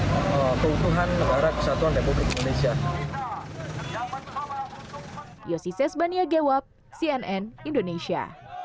keutuhan negara kesatuan republik indonesia